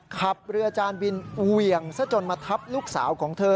ขับเรือจานบินเวยงซะจนมาทับลูกสาวความเธอ